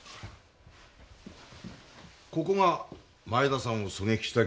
ここが前田さんを狙撃した現場。